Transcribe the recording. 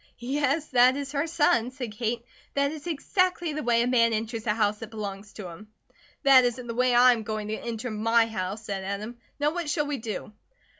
"Yes, that is her son," said Kate. "That is exactly the way a man enters a house that belongs to him." "That isn't the way I am going to enter my house," said Adam. "Now what shall we do?"